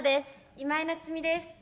今井菜津美です。